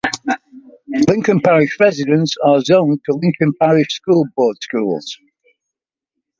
Lincoln Parish residents are zoned to Lincoln Parish School Board schools.